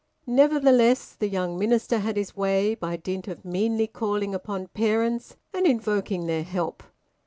Nevertheless the young minister had his way, by dint of meanly calling upon parents and invoking their help.